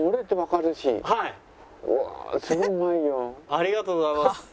ありがとうございます。